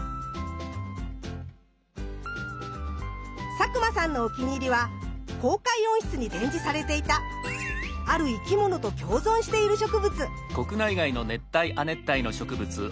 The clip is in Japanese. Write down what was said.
佐久間さんのお気に入りは公開温室に展示されていたある生き物と共存している植物。